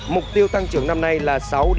mục tiêu tăng trưởng năm nay là sáu năm